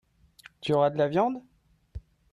Tu auras de la viande ?